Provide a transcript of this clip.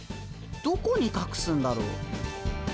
どこにかくすんだろう？